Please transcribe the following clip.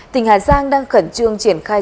tỉnh hà giang đang khẩn trương triển khai